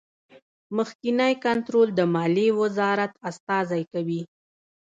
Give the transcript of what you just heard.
مخکینی کنټرول د مالیې وزارت استازی کوي.